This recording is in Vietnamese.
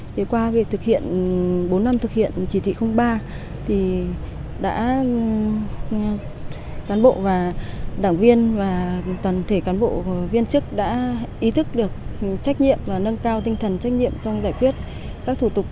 thì qua việc thực hiện bốn năm thực hiện chỉ thị ba thì đã cán bộ và đảng viên và toàn thể cán bộ viên chức đã ý thức được trách nhiệm và nâng cao tinh thần trách nhiệm trong giải quyết các thủ tục